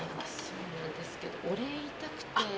そうなんですけどお礼言いたくて。